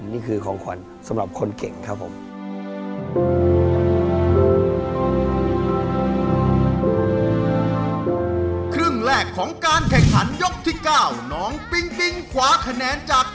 นี่คือของขวัญสำหรับคนเก่งครับผม